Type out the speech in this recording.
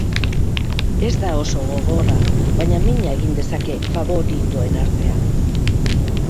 Ez da oso gogorra, baina mina egin dezake faboritoen artean.